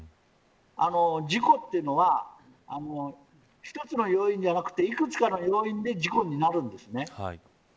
事故っていうのは一つの要因ではなくいくつかの要因で事故になるんです。